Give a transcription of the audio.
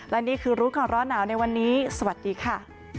และนี่คือรู้ก่อนร้อนหนาวในวันนี้สวัสดีค่ะ